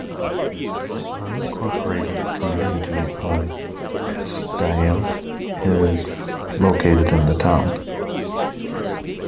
The unincorporated community of Esdaile is located in the town.